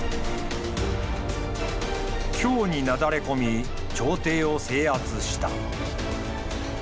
京になだれ込み朝廷を制圧した。